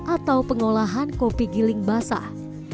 atau pengolahan kopi giling basah